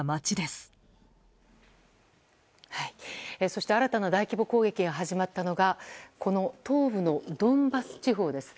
そして、新たな大規模攻撃が始まったのが東部のドンバス地方です。